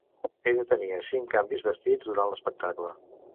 Ella tenia cinc canvis vestits durant l'espectacle.